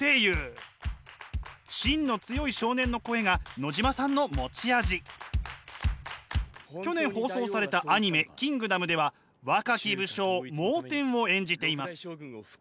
野島さんは去年放送されたアニメ「キングダム」では若き武将蒙恬を演じています。